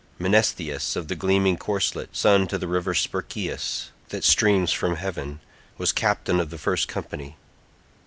Menesthius of the gleaming corslet, son to the river Spercheius that streams from heaven, was captain of the first company.